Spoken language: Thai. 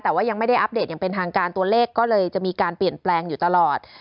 แต่ว่ายังไม่ได้อัปเดตอย่างเป็นทางการตัวเลขก็เลยจะมีการเปลี่ยนแปลงอยู่ตลอด